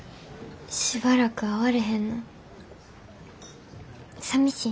しばらく会われへんのさみしいな。